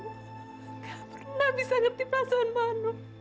gak pernah bisa ngerti perasaan manu